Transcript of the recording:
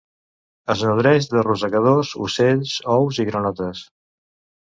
Es nodreix de rosegadors, ocells, ous i granotes.